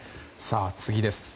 次です。